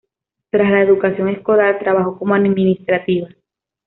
Tras la educación escolar, trabajó como administrativa.